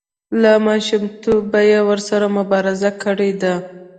له ماشومتوبه یې ورسره مبارزه کړې ده.